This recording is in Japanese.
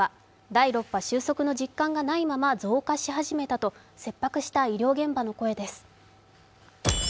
第６波収束の実感がないまま増加し始めたと切迫した医療現場の声です。